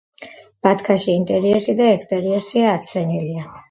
ბათქაში ინტერიერში და ექსტერიერში აცვენილია.